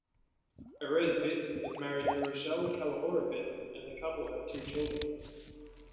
Erez Biton is married to Rachel Calahorra Biton and the couple have two children.